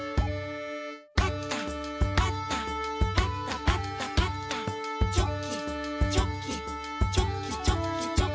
「パタパタパタパタパタ」「チョキチョキチョキチョキチョキ」